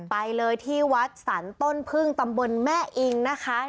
ไปเลยที่วัดสรรต้นพึ่งตำบลแม่อิงนะคะ